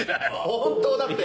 本当だって！